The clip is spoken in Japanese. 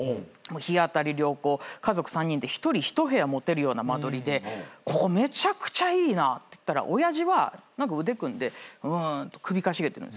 日当たり良好家族３人で一人１部屋持てるような間取りでここめちゃくちゃいいなって言ったら親父は何か腕組んでうーんと首かしげてるんですよ。